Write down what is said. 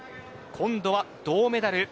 今度は銅メダル。